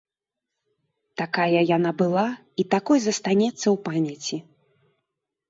Такая яна была і такой застанецца ў памяці.